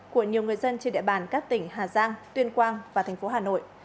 của nhiều người dân trên địa bàn các tỉnh hà giang tuyên quang và thành phố hà nội